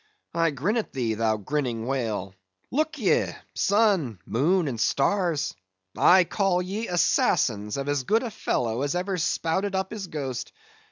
I grin at thee, thou grinning whale! Look ye, sun, moon, and stars! I call ye assassins of as good a fellow as ever spouted up his ghost.